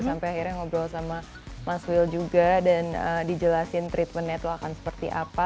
sampai akhirnya ngobrol sama mas will juga dan dijelasin treatmentnya tuh akan seperti apa